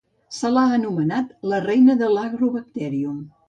Se l'ha anomenat la "reina de l'"Agrobacterium"".